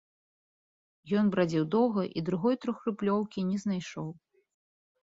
Ён брадзіў доўга і другой трохрублёўкі не знайшоў.